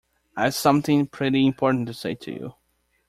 I’ve something pretty important to say to you.